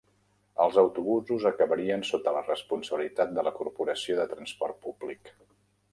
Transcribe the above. Els autobusos acabarien sota la responsabilitat de la Corporació de Transport Públic.